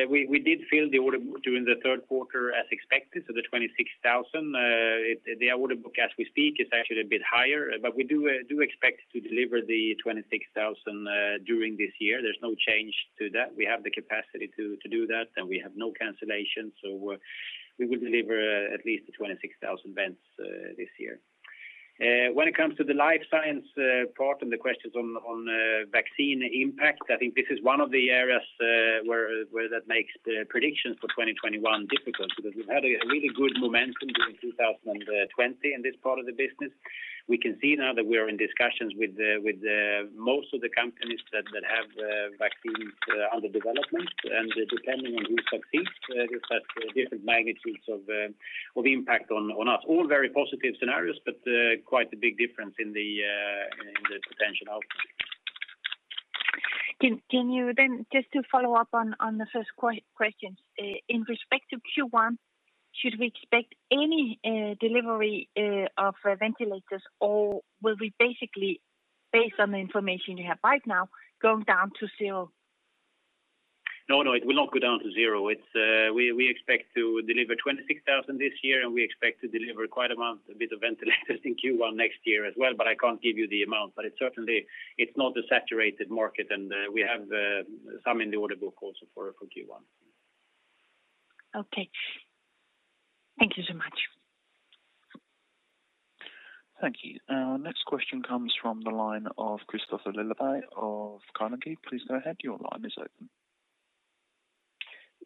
we did fill the order book during the third quarter as expected, so the 26,000. The order book as we speak is actually a bit higher, but we do expect to deliver the 26,000 during this year. There's no change to that. We have the capacity to do that, and we have no cancellations, so we will deliver at least the 26,000 vents this year. When it comes to the Life Science part and the questions on vaccine impact, I think this is one of the areas where that makes the predictions for 2021 difficult because we've had a really good momentum during 2020 in this part of the business. We can see now that we are in discussions with most of the companies that have vaccines under development, and depending on who succeeds, you'll have different magnitudes of impact on us. All very positive scenarios, but quite a big difference in the potential outcome. Can you just to follow up on the first question. In respect to Q1, should we expect any delivery of ventilators, or will we basically, based on the information you have right now, going down to zero? No, it will not go down to zero. We expect to deliver 26,000 this year. We expect to deliver a quite amount of ventilators in Q1 next year as well. I can't give you the amount. It's not a saturated market. We have some in the order book also for Q1. Okay. Thank you so much. Thank you. Our next question comes from the line of Kristofer Liljeberg of Carnegie. Please go ahead. Your line is open.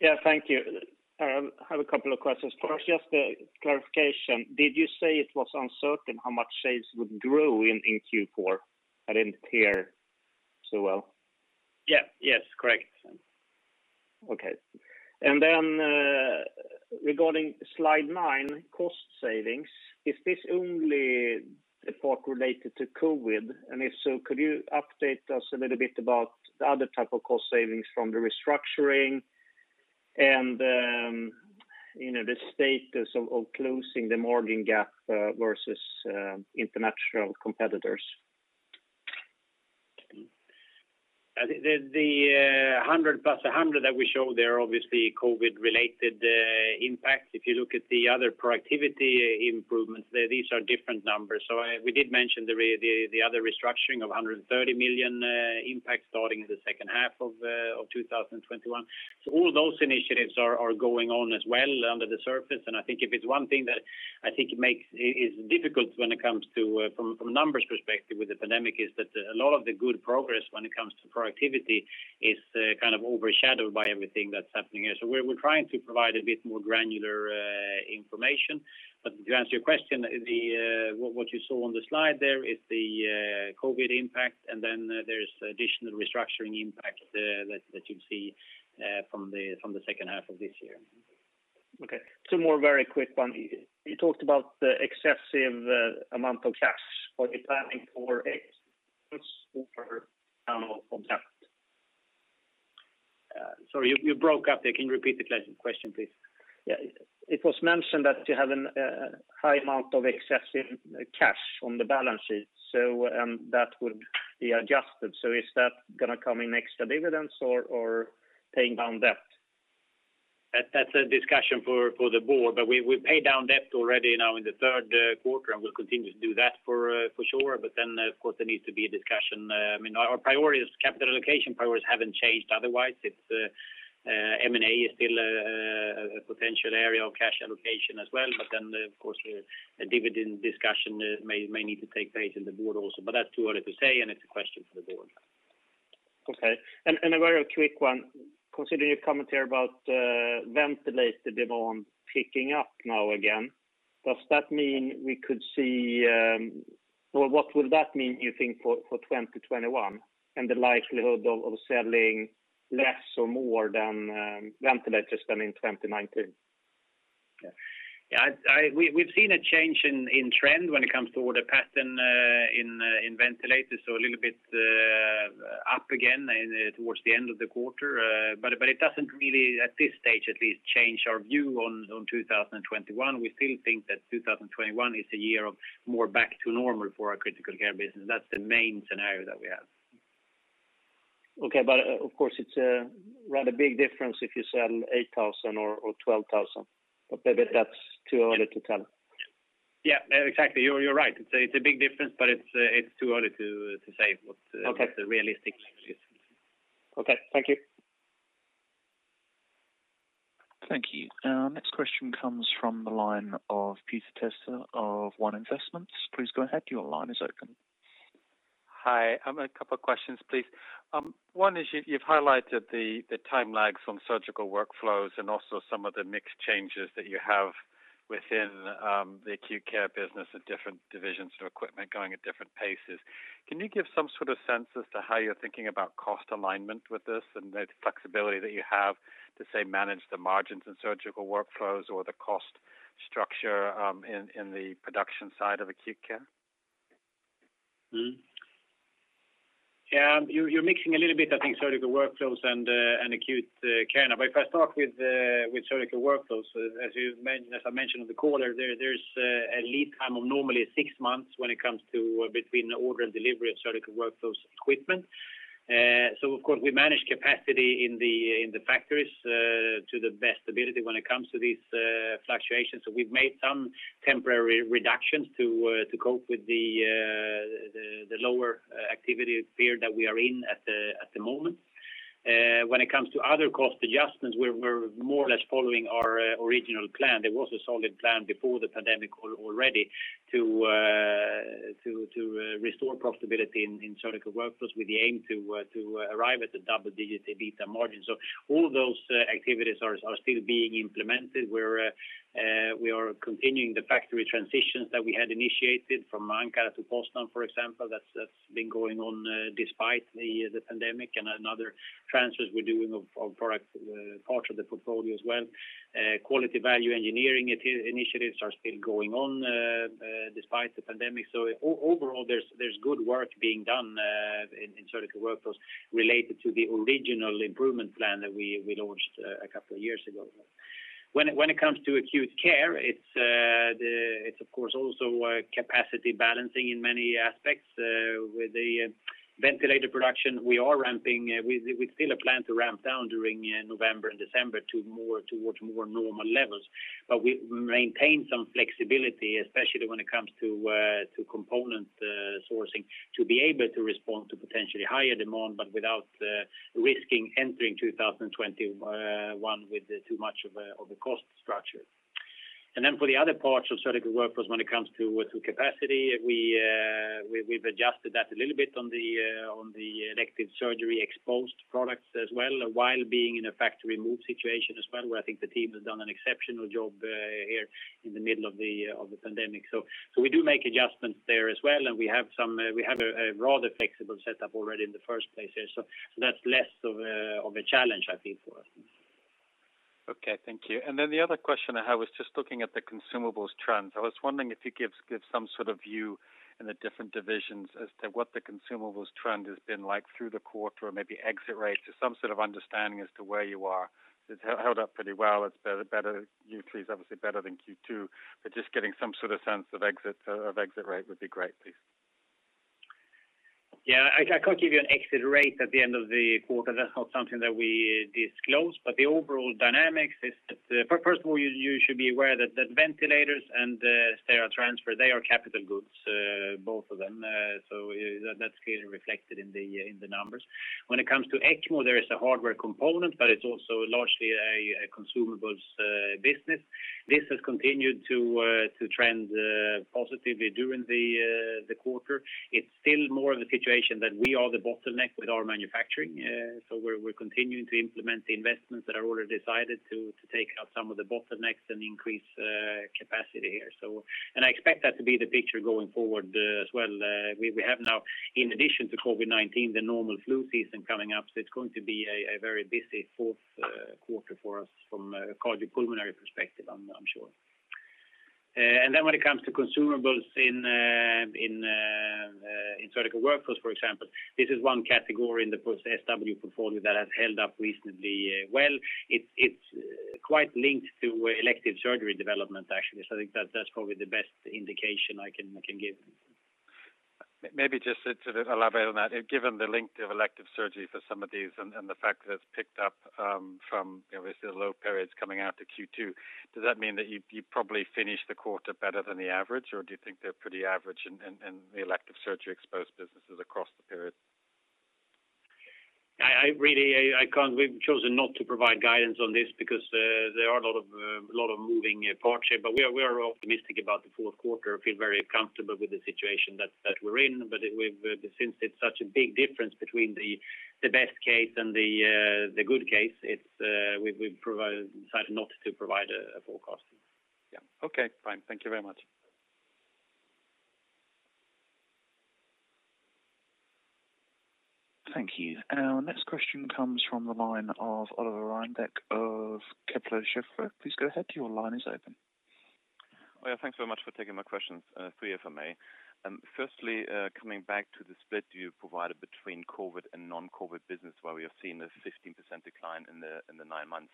Yeah, thank you. I have a couple of questions. First, just a clarification. Did you say it was uncertain how much sales would grow in Q4? I didn't hear so well. Yes, correct. Okay. Regarding slide 9, cost savings, is this only the part related to COVID-19? If so, could you update us a little bit about the other type of cost savings from the restructuring and the status of closing the margin gap versus international competitors? The 100 + 100 that we show there are obviously COVID-19-related impacts. If you look at the other productivity improvements, these are different numbers. We did mention the other restructuring of 130 million impact starting in the second half of 2021. All those initiatives are going on as well under the surface. I think if it's one thing that I think is difficult when it comes to from a numbers perspective with the pandemic, is that a lot of the good progress when it comes to productivity is kind of overshadowed by everything that's happening here. We're trying to provide a bit more granular information. To answer your question, what you saw on the slide there is the COVID-19 impact, and then there's additional restructuring impact that you'll see from the second half of this year. Okay. Two more very quick one. You talked about the excessive amount of cash. Are you planning for. [audio distortion] Sorry, you broke up there. Can you repeat the question, please? Yeah. It was mentioned that you have a high amount of excessive cash on the balance sheet, so that would be adjusted. Is that going to come in extra dividends or paying down debt? That's a discussion for the board. We paid down debt already now in the third quarter, and we'll continue to do that for sure. Of course, there needs to be a discussion. Our capital allocation priorities haven't changed otherwise. M&A is still a potential area of cash allocation as well, but then, of course, the dividend discussion may need to take place in the board also. That's too early to say, and it's a question for the board. Okay. A very quick one, considering your commentary about ventilator demand picking up now again, what will that mean, you think, for 2021 and the likelihood of selling less or more ventilators than in 2019? We've seen a change in trend when it comes to order pattern in ventilators. A little bit up again towards the end of the quarter. It doesn't really, at this stage at least, change our view on 2021. We still think that 2021 is a year of more back to normal for our critical care business. That's the main scenario that we have. Okay. Of course, it's a rather big difference if you sell 8,000 or 12,000. Maybe that's too early to tell. Yeah, exactly. You're right. It's a big difference, but it's too early to say what the realistic level is. Okay. Thank you. Thank you. Our next question comes from the line of Peter Testa of One Investments. Please go ahead, your line is open. Hi. A couple questions, please. One is, you've highlighted the time lags on Surgical Workflows and also some of the mix changes that you have within the Acute Care business and different divisions of equipment going at different paces. Can you give some sort of sense as to how you're thinking about cost alignment with this and the flexibility that you have to, say, manage the margins in Surgical Workflows or the cost structure in the production side of Acute Care? You're mixing a little bit, I think, Surgical Workflows and Acute Care. If I start with Surgical Workflows, as I mentioned on the call, there's a lead time of normally six months when it comes to between order and delivery of Surgical Workflows equipment. Of course, we manage capacity in the factories to the best ability when it comes to these fluctuations. We've made some temporary reductions to cope with the lower activity period that we are in at the moment. When it comes to other cost adjustments, we're more or less following our original plan. There was a solid plan before the pandemic already to restore profitability in Surgical Workflows with the aim to arrive at the double-digit EBITDA margin. All those activities are still being implemented. We are continuing the factory transitions that we had initiated from Ankara to Poznan, for example. That's been going on despite the pandemic. Other transfers we're doing of product, part of the portfolio as well. Quality value engineering initiatives are still going on despite the pandemic. Overall, there's good work being done in Surgical Workflows related to the original improvement plan that we launched a couple of years ago. When it comes to Acute Care, it's of course also capacity balancing in many aspects. With the ventilator production, we still plan to ramp down during November and December towards more normal levels. We maintain some flexibility, especially when it comes to component sourcing, to be able to respond to potentially higher demand, but without risking entering 2021 with too much of a cost structure. For the other parts of Surgical Workflows, when it comes to capacity, we've adjusted that a little bit on the elective surgery exposed products as well, while being in a factory move situation as well, where I think the team has done an exceptional job here in the middle of the pandemic. We do make adjustments there as well, and we have a rather flexible setup already in the first place there. That's less of a challenge, I think, for us. Okay. Thank you. The other question I have is just looking at the consumables trends. I was wondering if you could give some sort of view in the different divisions as to what the consumables trend has been like through the quarter, or maybe exit rates, or some sort of understanding as to where you are. It's held up pretty well. Q3 is obviously better than Q2. Just getting some sort of sense of exit rate would be great, please. I can't give you an exit rate at the end of the quarter. That's not something that we disclose. The overall dynamics is that, first of all, you should be aware that ventilators and Sterile Transfer, they are capital goods, both of them. That's clearly reflected in the numbers. When it comes to ECMO, there is a hardware component, but it's also largely a consumables business. This has continued to trend positively during the quarter. It's still more of a situation that we are the bottleneck with our manufacturing. We're continuing to implement the investments that are already decided to take out some of the bottlenecks and increase capacity here. I expect that to be the picture going forward as well. We have now, in addition to COVID-19, the normal flu season coming up, so it's going to be a very busy fourth quarter for us from a cardiopulmonary perspective, I'm sure. When it comes to consumables in Surgical Workflows, for example, this is one category in the SW portfolio that has held up reasonably well. It's quite linked to elective surgery development, actually. I think that's probably the best indication I can give. Maybe just to elaborate on that. Given the link to elective surgery for some of these and the fact that it's picked up from obviously the low periods coming out to Q2, does that mean that you probably finished the quarter better than the average, or do you think they're pretty average in the elective surgery exposed businesses across the period? We've chosen not to provide guidance on this because there are a lot of moving parts here, but we are optimistic about the fourth quarter. I feel very comfortable with the situation that we're in, but since it's such a big difference between the best case and the good case, we've decided not to provide a forecast. Yeah. Okay, fine. Thank you very much. Thank you. Our next question comes from the line of Oliver Reinberg of Kepler Cheuvreux. Please go ahead. Your line is open. Thanks very much for taking my questions. Three if I may. Firstly, coming back to the split you provided between COVID-19 and non-COVID-19 business, where we have seen a 15% decline in the nine months.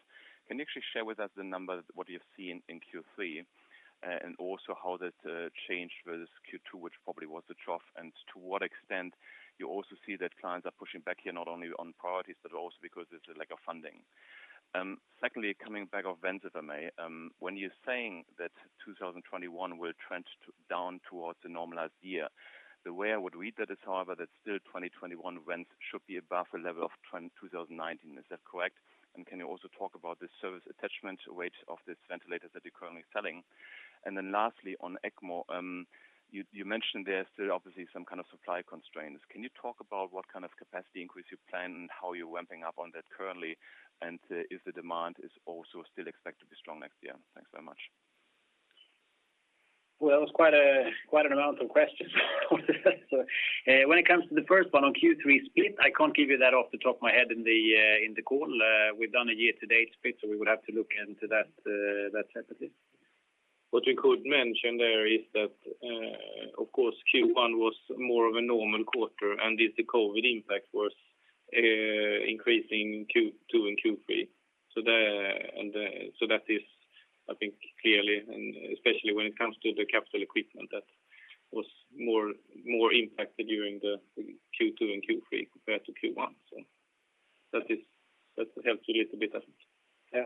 Can you actually share with us the number, what you've seen in Q3? Also how that changed versus Q2, which probably was the trough, and to what extent you also see that clients are pushing back here not only on priorities, but also because it's lack of funding. Secondly, coming back of vent, if I may. When you're saying that 2021 will trend down towards the normalized year, the way I would read that is however, that still 2021 vent should be above a level of 2019. Is that correct? Can you also talk about the service attachment rate of these ventilators that you're currently selling? Lastly, on ECMO, you mentioned there are still obviously some kind of supply constraints. Can you talk about what kind of capacity increase you plan and how you're ramping up on that currently, and if the demand is also still expected to be strong next year? Thanks very much. That was quite an amount of questions. When it comes to the first one on Q3 split, I can't give you that off the top of my head in the call. We've done a year-to-date split, we would have to look into that separately. What we could mention there is that, of course, Q1 was more of a normal quarter, and it's the COVID-19 impact was increasing Q2 and Q3. That is, I think, clearly, and especially when it comes to the capital equipment that was more impacted during the Q2 and Q3 compared to Q1. That helps you a little bit. Yeah.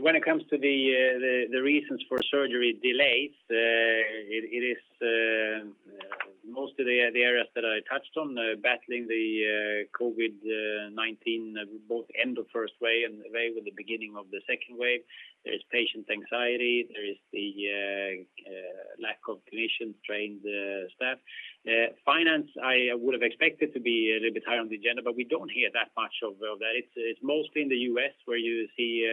When it comes to the reasons for surgery delays, it is most of the areas that I touched on, battling the COVID-19, both end of first wave and the beginning of the second wave. There is patient anxiety, there is the lack of clinician trained staff. Finance, I would have expected to be a little bit high on the agenda, but we don't hear that much of that. It's mostly in the U.S. where you see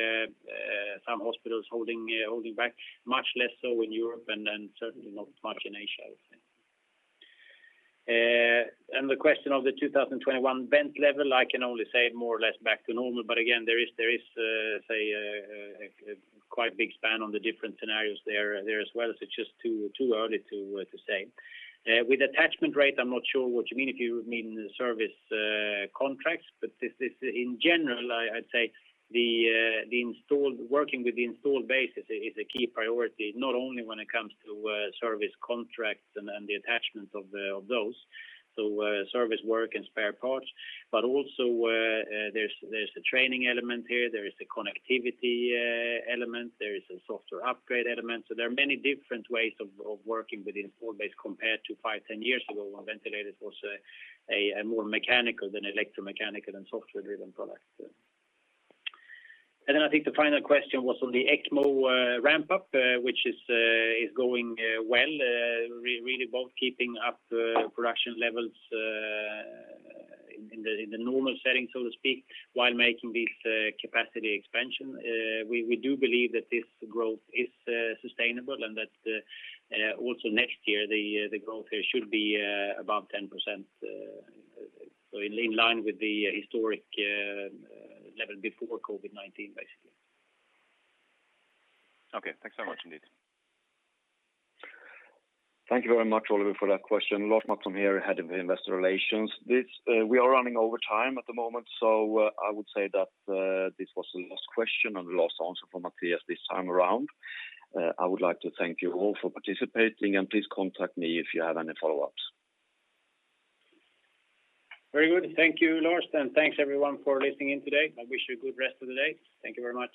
some hospitals holding back. Much less so in Europe and certainly not much in Asia, I would say. The question of the 2021 vent level, I can only say more or less back to normal. Again, there is, say, a quite big span on the different scenarios there as well. It's just too early to say. With attachment rate, I'm not sure what you mean. If you mean the service contracts, in general, I'd say working with the installed base is a key priority, not only when it comes to service contracts and the attachment of those. Service work and spare parts, also there's a training element here, there is a connectivity element, there is a software upgrade element. There are many different ways of working with the installed base compared to five, 10 years ago, when ventilators was a more mechanical than electromechanical than software-driven product. I think the final question was on the ECMO ramp-up, which is going well. Really both keeping up production levels in the normal setting, so to speak, while making this capacity expansion. We do believe that this growth is sustainable and that also next year, the growth here should be above 10%. In line with the historic level before COVID-19, basically. Okay. Thanks so much indeed. Thank you very much, Oliver, for that question. Lars Mattsson here, head of Investor Relations. We are running over time at the moment, I would say that this was the last question and the last answer from Mattias this time around. I would like to thank you all for participating and please contact me if you have any follow-ups. Very good. Thank you, Lars, and thanks everyone for listening in today. I wish you a good rest of the day. Thank you very much.